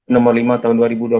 nomor lima tahun dua ribu dua puluh